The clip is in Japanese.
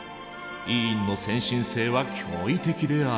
伊尹の先進性は驚異的である。